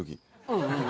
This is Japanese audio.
うん。